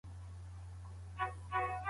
نړیوالو مرستندویه ټولنو کار کاوه.